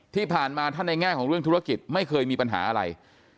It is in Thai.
ที่ผ่านมาถ้าในแง่ของเรื่องธุรกิจไม่เคยมีปัญหาอะไร